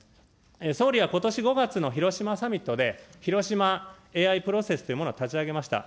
総理はことし５月の広島サミットで、広島ＡＩプロセスというものを立ち上げました。